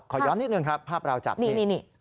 ขอย้อนนิดนึงครับภาพเราจับนี่